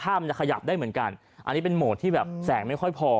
ถ้ามันจะขยับได้เหมือนกันอันนี้เป็นโหมดที่แบบแสงไม่ค่อยพอ